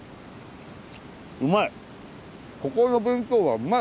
うまい！